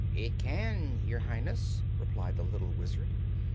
"It can, Your Highness," replied the little Wizard.